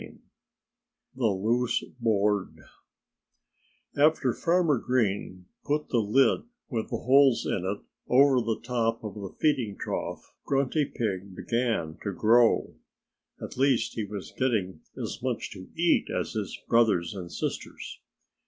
III THE LOOSE BOARD After Farmer Green put the lid with the holes in it over the top of the feeding trough, Grunty Pig began to grow. At last he was getting as much to eat as his brothers and sisters.